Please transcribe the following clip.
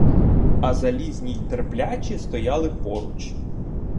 А залізні й терплячі стояли поруч.